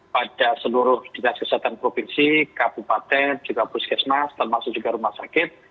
pada seluruh dinas kesehatan provinsi kabupaten juga puskesmas termasuk juga rumah sakit